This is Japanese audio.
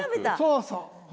そうそう。